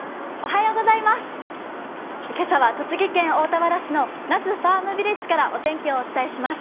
今朝は栃木県大田原市の那須ファームヴィレッジからお天気をお伝えします。